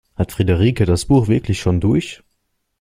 Hat Friederike das Buch wirklich schon durch?